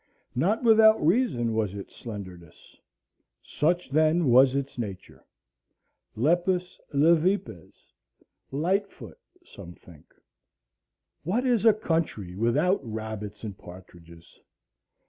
Not without reason was its slenderness. Such then was its nature. (Lepus, levipes, light foot, some think.) What is a country without rabbits and partridges?